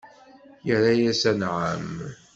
Irra-yas: Anɛam!